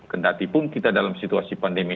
kendatipun kita dalam situasi pandemi